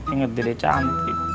ingat dede cantik